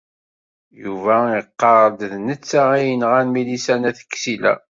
Yuba iqarr-d d netta ay yenɣan Milisa n At Ksila.